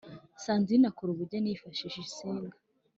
sandrine akora ubugeni yifashishije insinga